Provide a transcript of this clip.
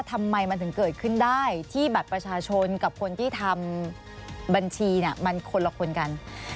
ทำไมมันถึงเกิดขึ้นได้ที่บัตรประชาชนกับคนที่ทำบัญชีมันคนละคนกัน